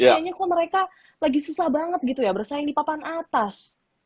kayaknya kok mereka lagi susah banget gitu ya bersaing di papan atas